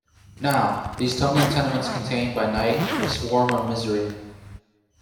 Now, these tumbling tenements contain, by night, a swarm of misery.